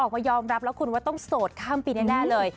ออกมายอมรับแล้วคุณว่าต้องโสดข้ามปีแน่เลย